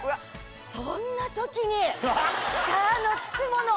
そんなときに、力のつくもの。